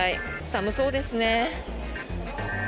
寒そうですね。